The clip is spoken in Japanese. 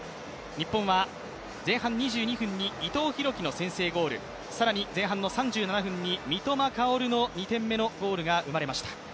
日本は前半２２分に伊藤洋輝の先制ゴール、更に前半の３７分に三笘薫の２点目のゴールが生まれました。